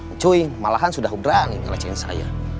ncuing malahan sudah berani ngelacen saya